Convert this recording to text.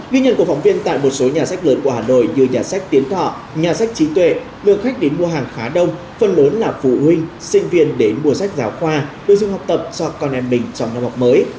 ghi nhận của phóng viên tại một số nhà sách lớn của hà nội như nhà sách tiến thọ nhà sách trí tuệ lượng khách đến mua hàng khá đông phần lớn là phụ huynh sinh viên đến mua sách giáo khoa đồ dùng học tập cho con em mình trong năm học mới